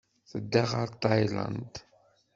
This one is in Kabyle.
Tedda ɣer Tayland.